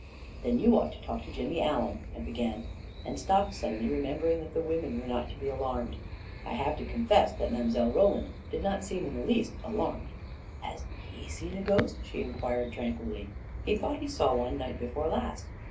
44 Then you ought to talk to Jimmy Allen," I be gan, and stopped suddenly, remembering that the women were not to be alarmed. I have to confess 134 A KING IN BABYLON that Mile. Roland did not seem in the least alarmed. " Has he seen a ghost? " she inquired tranquilly. 11 He thought he saw one night before last